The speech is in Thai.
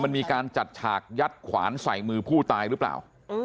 มันมีการจัดฉากยัดขวานใส่มือผู้ตายหรือเปล่า